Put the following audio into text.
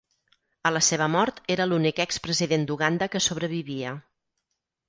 A la seva mort era l'únic expresident d'Uganda que sobrevivia.